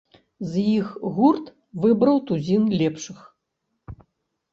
З іх гурт выбраў тузін лепшых.